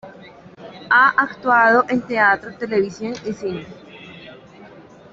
Ha actuado en teatro, televisión y cine.